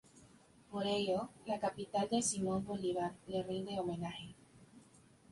Por ello, la capital de Simón Bolívar le rinde homenaje.